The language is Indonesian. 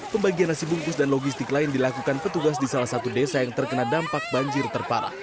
pembagian nasi bungkus dan logistik lain dilakukan petugas di salah satu desa yang terkena dampak banjir terparah